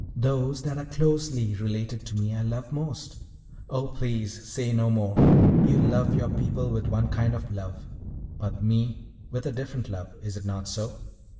Those that are closely related to me I love most." "Oh, please say no more! You love your people with one kind of love, but me with a different love is it not so?"